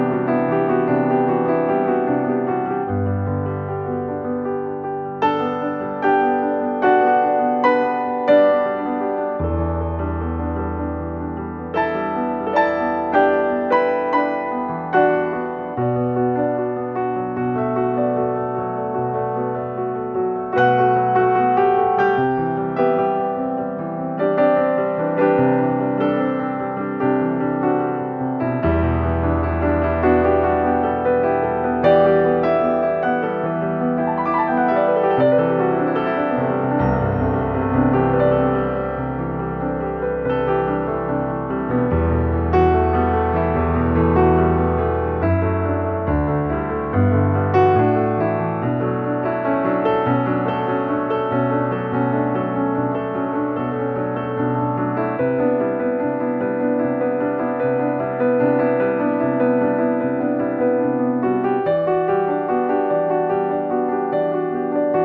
kau pernah gak berdoa tentang hubungan kita